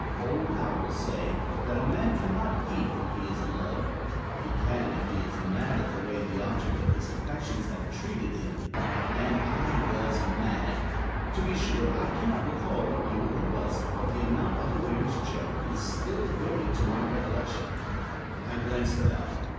Old owls say that a man can not eat when he is in love. He can if he is mad at the way the object of his affections has treated him; and I was mad. To be sure, I can not recall what my order was, but the amount of the waiter's check is still vivid to my recollection. I glanced about.